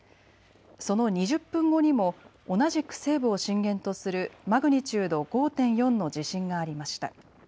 その２０分後にも同じく西部を震源とするマグニチュード５．４の地震がありました。